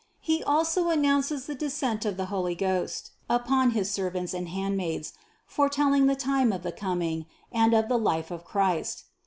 He also announces the descent of the Holy Ghost upon his servants and handmaids, foretelling the time of the coming, and of the 140 CITY OF GOD life of Christ.